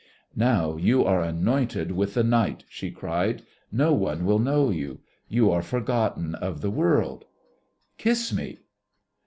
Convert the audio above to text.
"Now you are anointed with the Night," she cried. "No one will know you. You are forgotten of the world. Kiss me!"